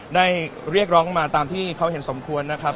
ได้เรียกร้องมาตามที่เขาเห็นสมควรนะครับ